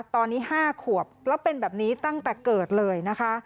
ตอนนี้๕ขวบแล้วเป็นแบบนี้ตั้งแต่เกิดเลยนะคะ